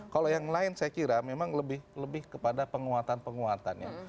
kalau yang lain saya kira memang lebih kepada penguatan penguatannya